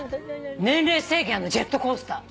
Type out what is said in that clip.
年齢制限あんのジェットコースター。